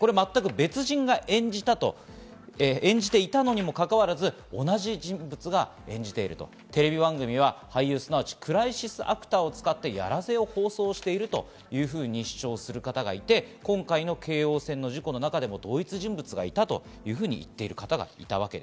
別人が演じていたのにもかかわらず、同じ人物が演じているとテレビ番組は俳優、クライシスアクターを使ってやらせを放送していると主張する方がいて、今回の京王線の事故の中でも同一人物がいたと言っている方がいました。